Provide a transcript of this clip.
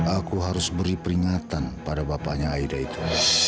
aku harus beri peringatan pada bapaknya aida itu